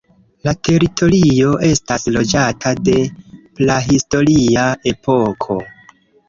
La teritorio estas loĝata de prahistoria epoko.